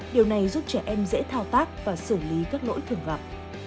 điều này giúp trẻ em dễ thao tác và xử lý các lỗi thường gặp